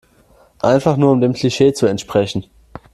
Einfach nur um dem Klischee zu entsprechen.